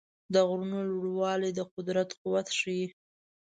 د غرونو لوړوالي د قدرت قوت ښيي.